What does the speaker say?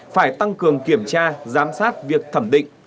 phải tăng cường kiểm tra giám sát việc thẩm định